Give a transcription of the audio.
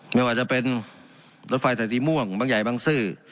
ไม่ว่าจะเป็นรถไฟสายสีม่วงบางใหญ่บางซื่อ